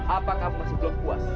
apa kamu masih belum puas